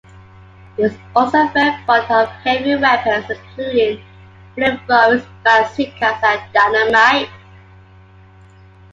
He is also very fond of heavy weapons, including flamethrowers, bazookas, and dynamite.